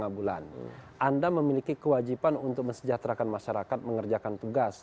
apakah itu makin kewajiban untuk mesejahterakan masyarakat mengerjakan tugas